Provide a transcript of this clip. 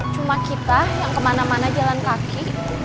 cuma kita yang kemana mana jalan kaki